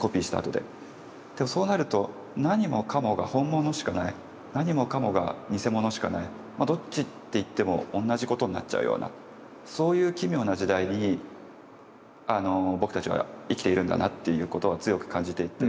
でそうなると何もかもが本物しかない何もかもが偽物しかないどっちって言っても同じことになっちゃうようなそういう奇妙な時代に僕たちは生きているんだなっていうことを強く感じていて。